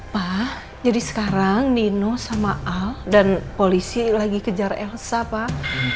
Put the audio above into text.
pak jadi sekarang nino sama al dan polisi lagi kejar elsa pak